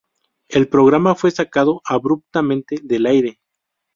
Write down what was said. El programa fue sacado abruptamente del aire.